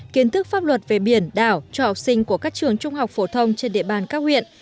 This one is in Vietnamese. kiến thức pháp luật về biển đảo cho học sinh của các trường trung học phổ thông trên địa bàn các huyện